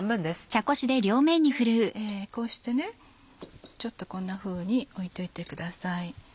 こうしてこんなふうに置いといてください。